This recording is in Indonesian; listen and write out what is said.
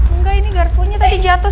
enggak ini garpunya tadi jatuh